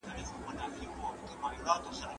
احمد شاه ابدالي څنګه د خلګو ستونزې اورېدې؟